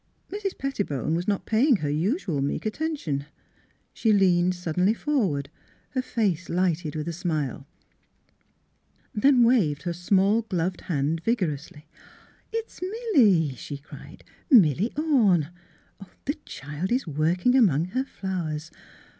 Mrs. Pettibone was not paying her usual meek atten tion; she leaned suddenly forward, her face lighted with a smile ; then waved her small gloved hand vigorously. ''It's Milly," she cried, ''— Milly Orne. The child is working among her flowers.